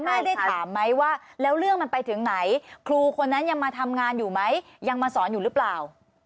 ได้ถามไหมว่าแล้วเรื่องมันไปถึงไหนครูคนนั้นยังมาทำงานอยู่ไหมยังมาสอนอยู่หรือเปล่า